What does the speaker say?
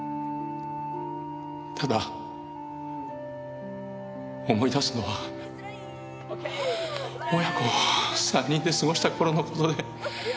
ただ思い出すのは親子３人で過ごした頃の事で。